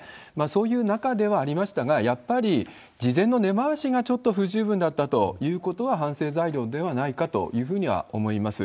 そういう中ではありましたが、やっぱり事前の根回しがちょっと不十分だったということは、反省材料ではないかというふうには思います。